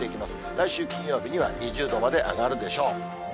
来週金曜日には２０度まで上がるでしょう。